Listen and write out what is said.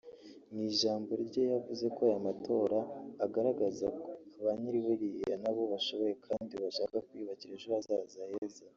mu ijambo rye yavuzeko aya matora agaragazako abanyalibiya nabo bashoboye kandi bashaka kwiyubakira ejo hazaza heza